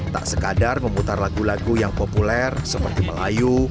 tak sekadar memutar lagu lagu yang populer seperti melayu